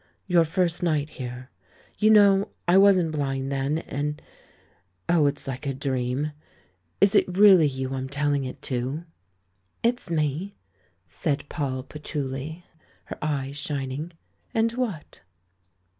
"Your first night here. You know, I wasn't blind then, and Oh, it's like a dream! Is it really you I'm telling it to?" "It's me," said Poll Patchouli, her eyes shin ing. "And what?"